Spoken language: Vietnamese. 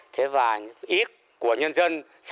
thế và ít của nhân dân